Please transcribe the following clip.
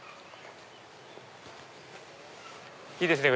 いいですね